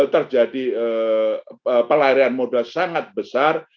terjadi pelarian modal sangat besar